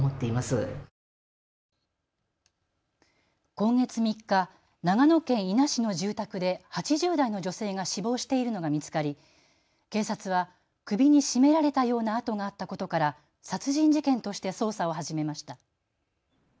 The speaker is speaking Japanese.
今月３日、長野県伊那市の住宅で８０代の女性が死亡しているのが見つかり警察は首に絞められたような痕があったことから殺人事件として捜査を始めました。